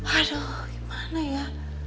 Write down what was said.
aduh gimana ya